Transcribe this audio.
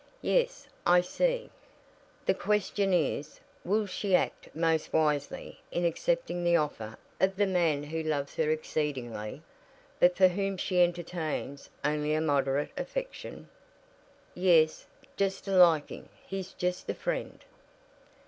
Yes, I see. The question is, Will she act most wisely in accepting the offer of the man who loves her exceedingly, but for whom she entertains only a moderate affection " "Yes; just a liking. He's just a friend."